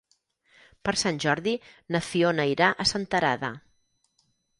Per Sant Jordi na Fiona irà a Senterada.